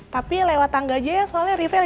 tapi lewat tangga aja ya soalnya riveknya